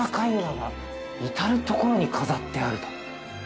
至る所に飾ってあると。